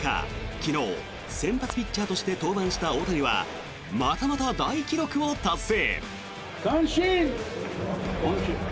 昨日、先発ピッチャーとして登板した大谷はまたまた大記録を達成。